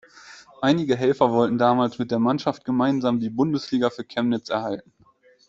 Einige Helfer wollten damals mit der Mannschaft gemeinsam die Bundesliga für Chemnitz erhalten.